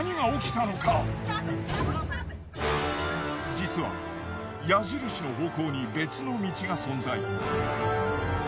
実は矢印の方向に別の道が存在。